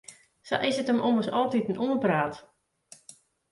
Sa is it him ommers altiten oanpraat.